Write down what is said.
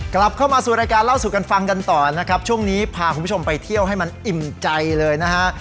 กลับเข้ามาสู่รายการเล่าสู่กันฟังกันต่อนะครับช่วงนี้พาคุณผู้ชมไปเที่ยวให้มันอิ่มใจเลยนะฮะ